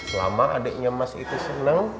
selama adeknya mas itu seneng